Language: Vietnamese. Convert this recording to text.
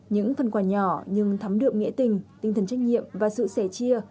những phần quả nhỏ nhưng thấm đượm nghĩa tình tinh thần trách nhiệm và sự sẻ chia